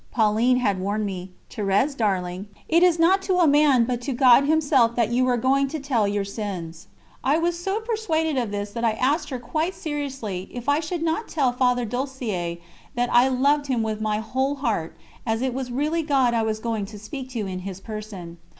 Pauline had warned me: "Thérèse, darling, it is not to a man but to God Himself that you are going to tell your sins." I was so persuaded of this that I asked her quite seriously if I should not tell Father Ducellier that I loved him "with my whole heart," as it was really God I was going to speak to in his person.